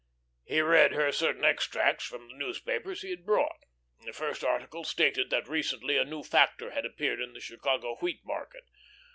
He read her certain extracts from the newspapers he had brought. The first article stated that recently a new factor had appeared in the Chicago wheat market.